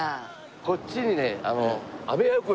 こっちにね。